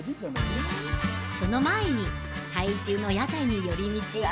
その前に台中の屋台に寄り道